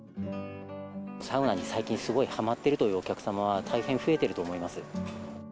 サウナに最近、すごいはまっているというお客様は大変増えていると思います。